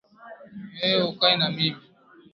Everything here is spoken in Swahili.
Ni wewe ukae na mimi